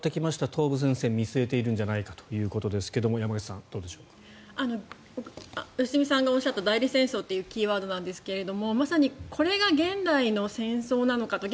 東部戦線を見据えているのではということですが良純さんがおっしゃった代理戦争というキーワードなんですがまさにこれが現代の戦争なのかと。